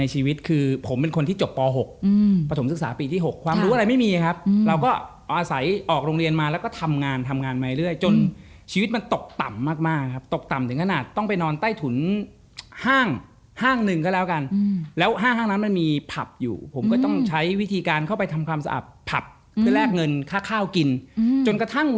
ใช่คือเป็นคนไม่เติบโตอะไรไปเลยค่ะดิฉัน